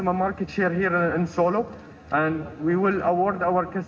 kami akan menawarkan pelanggan kita dengan melakukan penyelesaian yang terbaik